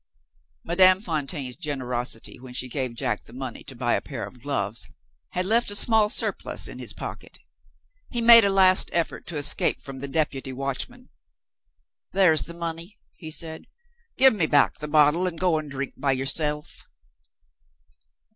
Madame Fontaine's generosity, when she gave Jack the money to buy a pair of gloves, had left a small surplus in his pocket. He made a last effort to escape from the deputy watchman. "There's the money," he said. "Give me back the bottle, and go and drink by yourself."